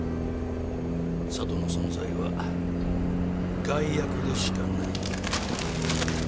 佐都の存在は害悪でしかない。